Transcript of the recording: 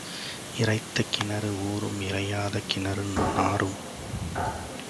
இறைத்த கிணறு ஊறும் இறையாத கிணறு நாறும்.